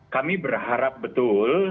kami berharap betul